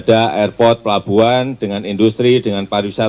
ada airport pelabuhan dengan industri dengan pariwisata